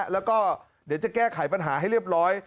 แล้วก็เดี๋ยวจะแก้ไขปัญหาให้เรียบร้อย